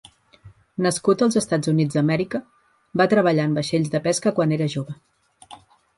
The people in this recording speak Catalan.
Nascut als EUA, va treballar en vaixells de pesca quan era jove.